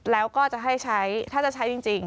แล้วก็จะให้ใช้ถ้าจะใช้จริง